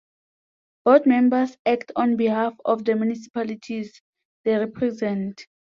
Board members act on behalf of the municipalities they represent.